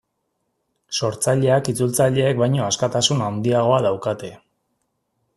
Sortzaileak itzultzaileek baino askatasun handiagoa daukate.